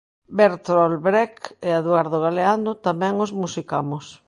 Beltrot Brech e Eduardo Galeano tamén os musicamos.